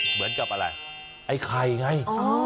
เหมือนกับอะไรไอ้ไข่ไง